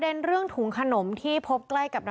และก็คือว่าถึงแม้วันนี้จะพบรอยเท้าเสียแป้งจริงไหม